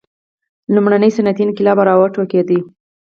لومړنی صنعتي انقلاب را وټوکېد.